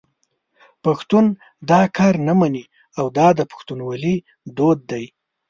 پښتون دا کار نه مني او دا د پښتونولي دود دی.